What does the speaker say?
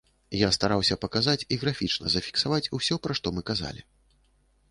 Я стараўся паказаць і графічна зафіксаваць усё, пра што мы казалі.